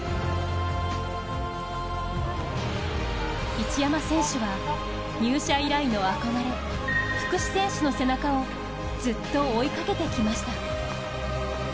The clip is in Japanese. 一山選手は入社以来の憧れ、福士選手の背中をずっと追いかけてきました。